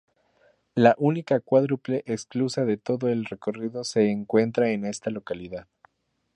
La única cuádruple esclusa de todo el recorrido se encuentra en esta localidad.